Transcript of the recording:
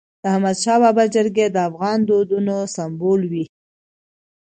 د احمدشاه بابا جرګي د افغان دودونو سمبول وي.